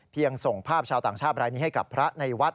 เพียงส่งภาพชาวต่างชาติอะไรนี้ให้กับพระในวัด